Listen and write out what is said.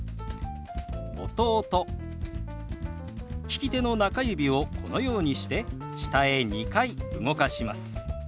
利き手の中指をこのようにして下へ２回動かします。